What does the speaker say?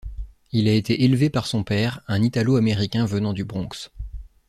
Il a été élevé par son père, un italo-américain venant du Bronx.